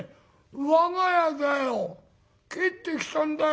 我が家だよ帰ってきたんだい。